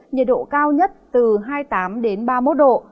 nhiệt độ cao nhất từ hai mươi tám đến ba mươi một độ